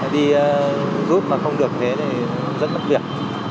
đi giúp mà không được thế thì rất mất việc